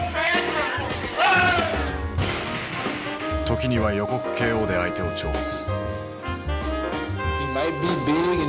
時には予告ＫＯで相手を挑発。